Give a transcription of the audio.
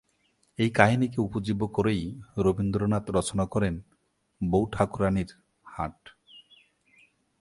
এই কাহিনীকে উপজীব্য করেই রবীন্দ্রনাথ রচনা করেন "বৌ-ঠাকুরাণীর হাট"।